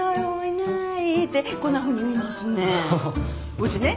うちね